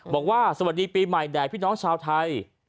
บอกว่าสวัสดีปีใหม่แด่พี่น้องชาวไทย